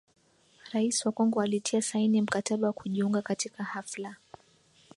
Rais wa Kongo alitia saini mkataba wa kujiunga katika hafla